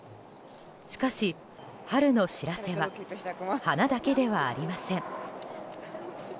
しかし、春の知らせは花だけではありません。